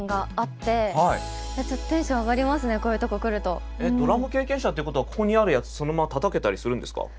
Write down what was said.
私えっ？ドラム経験者っていうことはここにあるやつそのままたたけたりするんですか？